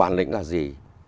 bản lĩnh là gì